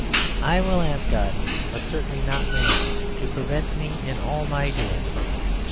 I will ask God, but certainly not man, to prevent me in all my doings.